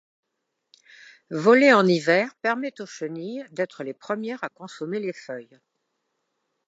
Voler en hiver permet aux chenilles d'être les premières à consommer les feuilles.